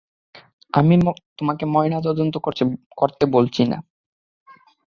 আমি তোমাকে ময়নাতদন্ত করতে বলছি না।